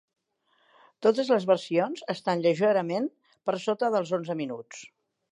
Totes les versions estan lleugerament per sota dels onze minuts.